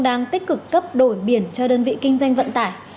đang tích cực cấp đổi biển cho đơn vị kinh doanh vận tải